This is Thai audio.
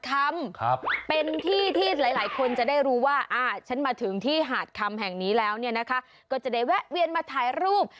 ก็จะได้แวะเวียนมาถ่ายรูป